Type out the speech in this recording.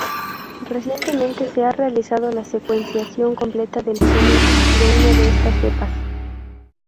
Recientemente, se ha realizado la secuenciación completa del genoma de una de estas cepas.